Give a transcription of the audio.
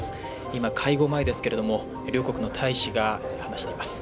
今、会合前ですけども、両国の大使が話しています。